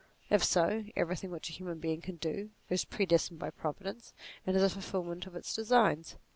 If so, everything which a human being can do, is predestined by Providence and is a fulfil ment of its designs.